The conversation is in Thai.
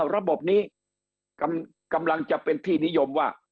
ระบบนี้กำลังจะเป็นที่นิยมว่า